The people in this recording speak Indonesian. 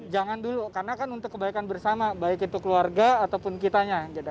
jangan dulu karena kan untuk kebaikan bersama baik itu keluarga ataupun kitanya